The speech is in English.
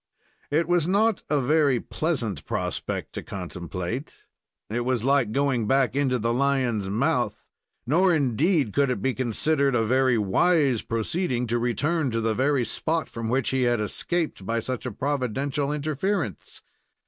It was not a very pleasant prospect to contemplate. It was like going back into the lion's mouth; nor, indeed, could it be considered a very wise proceeding to return to the very spot from which he had escaped by such a providential interference.